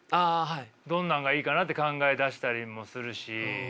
どんなんがいいかなって考え出したりもするし。